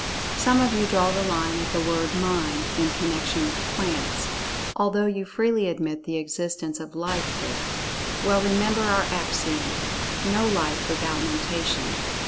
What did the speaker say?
Some of you draw the line at the word "Mind" in connection with plants, although you freely admit the existence of "Life" there. Well, remember our axiom—"no Life without Mentation."